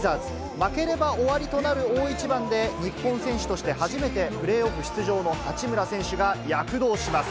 負ければ終わりとなる大一番で、日本選手として初めてプレーオフ出場の八村選手が躍動します。